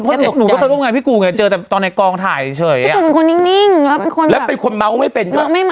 เพราะหนูก็เคยร่วมงานพี่กูไงเจอแต่ตอนในกองถ่ายเฉยหนูเป็นคนนิ่งแล้วเป็นคนเมาส์ไม่เป็นด้วย